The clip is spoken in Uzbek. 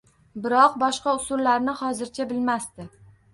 Biroq boshqa usullarni hozircha bilmasdi